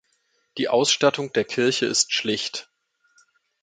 Die Ausstattung der Kirche ist schlicht.